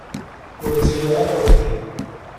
Ur ttiliɣ ara weḥd-i.